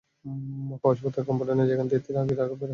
প্রবেশপথের কম্পার্ট্মেন্টে যেখান দিয়ে এর আগে বের হয়েছি আমরা।